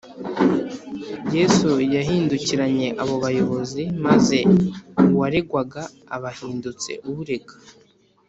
Yesu yahindukiranye abo bayobozi, maze uwaregwaga aba ahindutse urega.